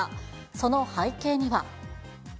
その背景には。